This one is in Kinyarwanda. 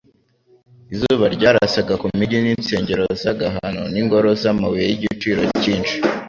Izuba ryarasaga ku migi n’insengero z’agahano n’ingoro z’amabuye y’igiciro cyinshi